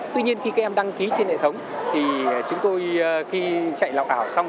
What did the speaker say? tuy nhiên khi các em đăng ký trên hệ thống thì chúng tôi khi chạy lọc ảo xong